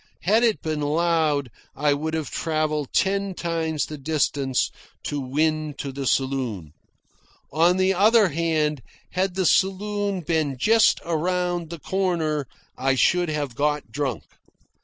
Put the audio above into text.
Had it been loud, I would have travelled ten times the distance to win to the saloon. On the other hand, had the saloon been just around the corner, I should have got drunk.